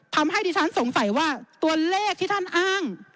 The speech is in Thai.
ทำให้ดิฉันสงสัยว่าตัวเลขที่ท่านอ้าง